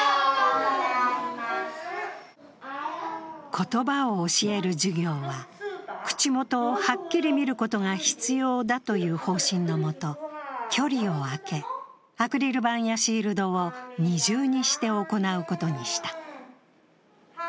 言葉を教える授業は口元をはっきり見ることが必要だという方針のもと、距離を空け、アクリル板やシールドを二重にして行うことにした。